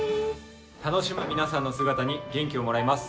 楽しむ皆さんの姿に元気をもらえます。